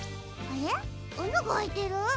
あながあいてる？